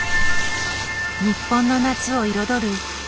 日本の夏を彩る花火。